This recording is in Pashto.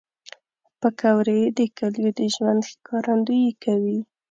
پکورې د کلیو د ژوند ښکارندویي کوي